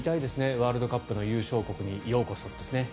ワールドカップの優勝国にようこそって。